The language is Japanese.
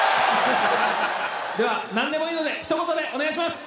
では何でもいいのでひと言でお願いします！